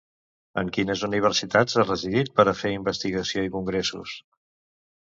En quines universitats ha residit per a fer investigació i congressos?